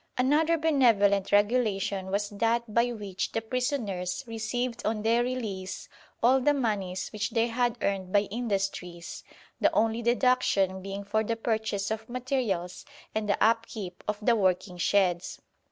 Another benevolent regulation was that by which the prisoners received on their release all the moneys which they had earned by industries, the only deduction being for the purchase of materials and the upkeep of the working sheds.